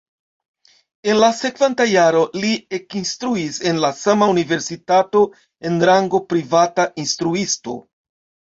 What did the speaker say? En la sekvanta jaro li ekinstruis en la sama universitato en rango privata instruisto.